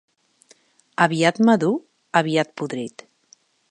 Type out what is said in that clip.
Aviat madur, aviat podrit.